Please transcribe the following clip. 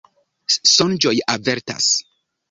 Sonĝoj avertas.